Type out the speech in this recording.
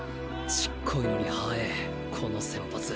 ちっこいのに速えこの先発。